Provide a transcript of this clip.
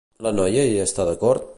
La noia hi està d'acord?